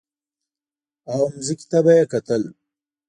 او ځمکې ته به یې کتل.